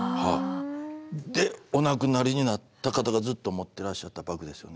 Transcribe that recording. でお亡くなりになった方がずっと持ってらっしゃったバッグですよね。